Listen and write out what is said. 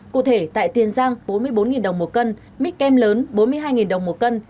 cụ thể tại tiền giang bốn mươi bốn đồng một cân mít kem lớn bốn mươi hai đồng một cân